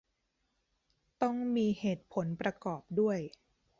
ต้องมีเหตุผลประกอบด้วย